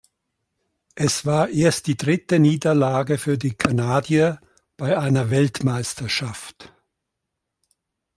Es war erst die dritte Niederlage für die Kanadier bei einer Weltmeisterschaft.